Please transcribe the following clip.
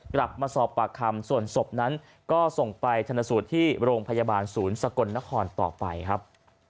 กลับมาสอบปากคำส่วนศพนั้นก็ส่งไปชนสูตรที่โรงพยาบาลศูนย์สกลนครต่อไปครับ